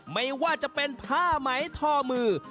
ไม่ว่าจะเป็นผ้าไหมทอมือ